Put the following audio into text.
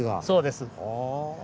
そうです。